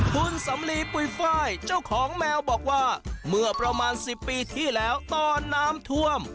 คุณสำลีปุ๋ยไฟล์เจ้าของแมวบอกว่าเมื่อประมาณ๑๐ปีที่แล้วตอนน้ำท่วม